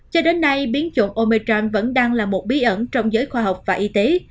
cho đến nay biến chủng omecham vẫn đang là một bí ẩn trong giới khoa học và y tế